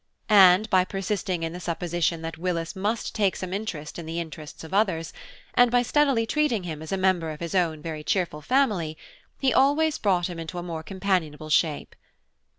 And by persisting in the supposition that Willis must take some interest in the interests of others, and by steadily treating him as a member of his own very cheerful family, he always brought him into a more companionable shape.